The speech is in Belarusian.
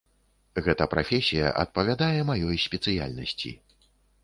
Гэта прафесія адпавядае маёй спецыяльнасці.